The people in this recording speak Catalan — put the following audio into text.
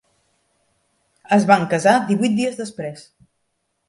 Es van casar divuit dies després.